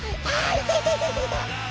いたいたいたいたいた！